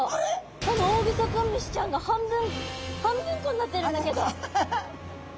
このオオグソクムシちゃんが半分半分こになってるんだけど。